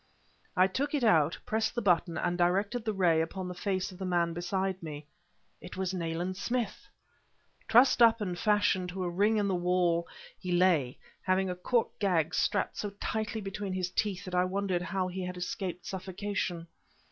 I took it out, pressed the button, and directed the ray upon the face of the man beside me. It was Nayland Smith! Trussed up and fastened to a ring in the wall he lay, having a cork gag strapped so tightly between his teeth that I wondered how he had escaped suffocation.